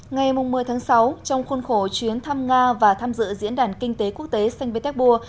ngày một mươi tháng sáu trong khuôn khổ chuyến thăm nga và tham dự diễn đàn kinh tế quốc tế sanh vietéc bua